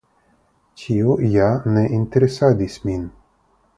Tio ja ne interesadis min.